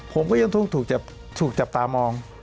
ผมก็ยังถูกจับตามอง